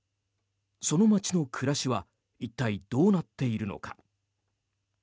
その街の暮らしは一体、どうなっているのか。